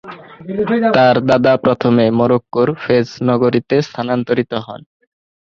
তার দাদা প্রথমে মরক্কোর 'ফেজ' নগরীতে স্থানান্তরিত হন।